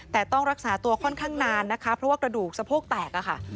แต่ต้องรักษาตัวค่อนข้างนานนะคะเพราะว่ากระดูกสะโพกแตกอะค่ะ